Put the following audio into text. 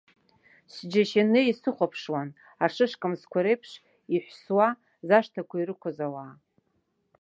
Сџьашьаны исыхәаԥшуан, ашышкамсқәа реиԥш иҳәсуа зашҭақәа ирықәыз ауаа.